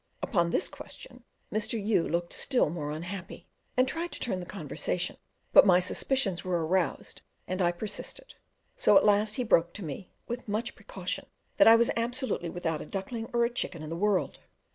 Upon this question Mr. U looked still more unhappy and tried to turn the conversation, but my suspicions were aroused and I persisted; so at last he broke to me, with much precaution, that I was absolutely without a duckling or a chicken in the world!